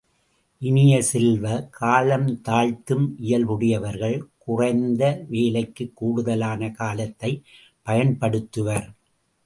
இனிய செல்வ, காலந்தாழ்த்தும் இயல்புடைய வர்கள் குறைந்த வேலைக்குக் கூடுதலான காலத்தைப் பயன்படுத்துவர்.